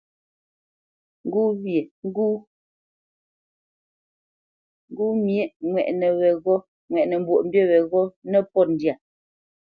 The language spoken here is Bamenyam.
Ŋgó myéʼ ŋwɛʼnə Mbwoʼmbî yeghó nə́pōt ndyâ.